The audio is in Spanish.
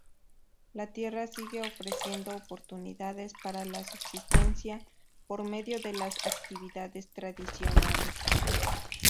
La tierra sigue ofreciendo oportunidades para la subsistencia por medio de las actividades tradicionales.